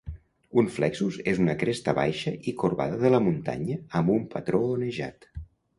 Un flexus és una cresta baixa i corbada de la muntanya amb un patró onejat.